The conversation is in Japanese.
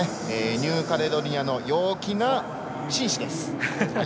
ニューカレドニアの陽気な紳士です。